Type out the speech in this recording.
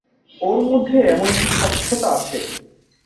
ওঁর মধ্যে এমন একটি স্বচ্ছতা আছে!